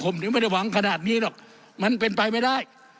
ผมถึงไม่ได้หวังขนาดนี้หรอกมันเป็นไปไม่ได้